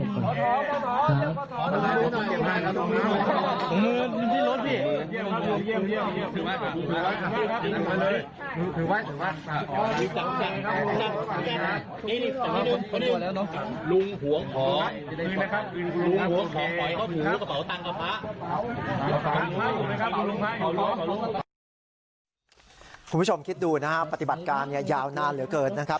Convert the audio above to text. คุณผู้ชมคิดดูนะครับปฏิบัติการยาวนานเหลือเกินนะครับ